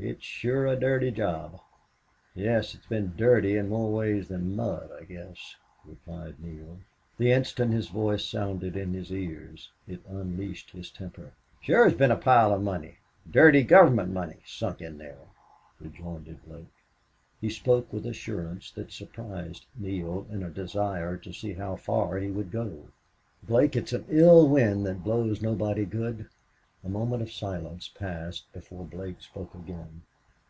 It's sure a dirty job." "Yes, it's been dirty in more ways than mud, I guess," replied Neale. The instant his voice sounded in his ears it unleashed his temper. "Sure has been a pile of money dirty government money sunk in there," rejoined Blake. He spoke with assurance that surprised Neale into a desire to see how far he would go. "Blake, it's an ill wind that blows nobody good." A moment of silence passed before Blake spoke again.